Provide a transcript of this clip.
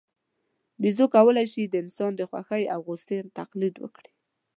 بیزو کولای شي د انسان د خوښۍ او غوسې تقلید وکړي.